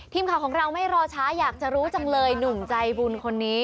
ทีมข่าวของเราไม่รอช้าอยากจะรู้จังเลยหนุ่มใจบุญคนนี้